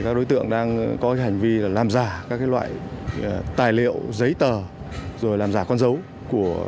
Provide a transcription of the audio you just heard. các đối tượng đang có hành vi làm giả các loại tài liệu giấy tờ rồi làm giả con dấu của